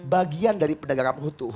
bagian dari pendagang kapal hukum